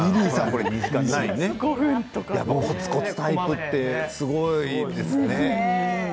こつこつタイプってすごいですね。